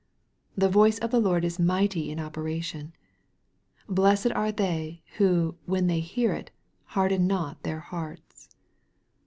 " The voice of the Lord is mighty in operation." Blessed are they, who, when they hear it, harden not their hearts